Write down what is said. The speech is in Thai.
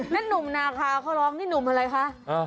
หนุ่มนาคาเขาร้องนี่หนุ่มอะไรคะ